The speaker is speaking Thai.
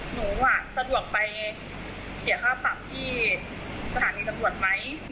หนูสะดวกไปเสียค่าปรับที่สถานีตำรวจไหม